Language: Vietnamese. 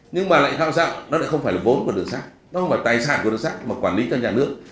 nhưng mà lại thao dạo nó lại không phải là vốn của đường sắt nó không phải là tài sản của đường sắt mà quản lý cho nhà nước